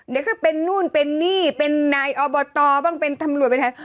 เดี๋ยวก็เป็นนู่นเป็นนี่เป็นนายอบตบ้างเป็นตำรวจเป็นไทย